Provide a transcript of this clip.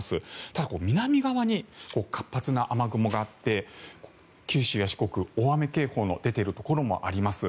ただ、南側に活発な雨雲があって九州や四国、大雨警報の出ているところもあります。